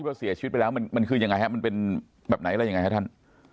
ที่เราเสียชีวิตไปแล้วมันคือยังไงครับมันเป็นแบบไหนแล้วยังไงครับท่าน